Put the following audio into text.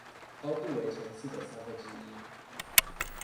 高度為前次的三分之一